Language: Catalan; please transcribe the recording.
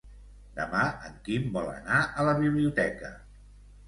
Demà en Quim vol anar a la biblioteca.